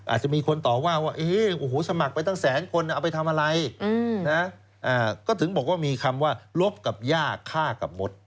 อาจจะมีคนต่อว่าว่าสมัครไปตั้งแสนคนเอาไปทำอะไรก็ถึงบอกว่ามีคำว่าลบกับย่าฆ่ากับมด